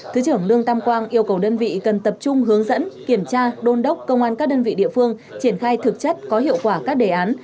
thứ trưởng lương tam quang yêu cầu đơn vị cần tập trung hướng dẫn kiểm tra đôn đốc công an các đơn vị địa phương triển khai thực chất có hiệu quả các đề án